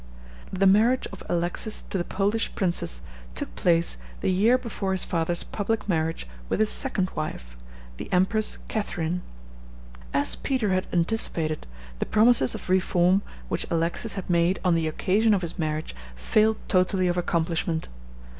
The marriage of Alexis to the Polish princess took place the year before his father's public marriage with his second wife, the Empress Catharine. As Peter had anticipated, the promises of reform which Alexis had made on the occasion of his marriage failed totally of accomplishment.